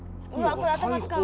これ頭使うわ。